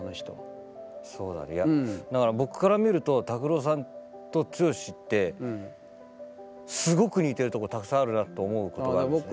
そうだ僕から見ると拓郎さんと剛ってすごく似てるとこたくさんあるなと思うことがあるんです。